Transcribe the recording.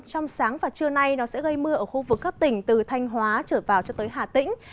trong sáng và trưa nay nó sẽ gây mưa ở khu vực các tỉnh từ thanh hóa trở vào cho tới hà tĩnh